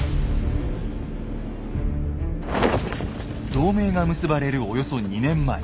同盟が結ばれるおよそ２年前。